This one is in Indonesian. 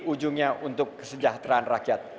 ujungnya untuk kesejahteraan rakyat